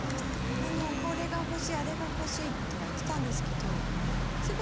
「これが欲しいあれが欲しい」とは言ってたんですけど。